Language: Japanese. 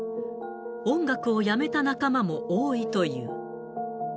音楽をやめた仲間も多いという。